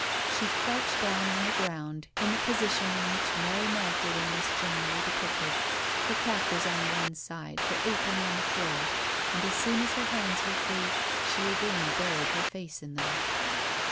She crouched down on the ground in the position in wliich Mary ^lagdalene is generally depicted ; her cap was on one side, her apron on the floor, and as soon as her hands were free she again buried her face in them.